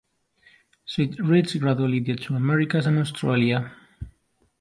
So it reached gradually the two Americas and Australia.